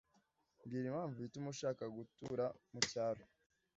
Mbwira impamvu ituma ushaka gutura mu cyaro.